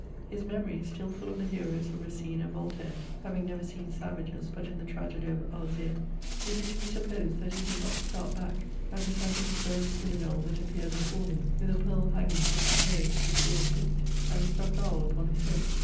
His memory, still full of the heroes of Bacine and Voltaire, having never seen savages but in the tragedy of A hire, is it to be supposed that he did not start back at the sight of the first Siminole that appeared before him, with a pearl hanging from his nose, his ears pinked, and a stuffed owl upon his head